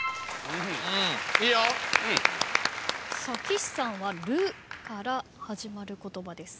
岸さんは「る」から始まる言葉です。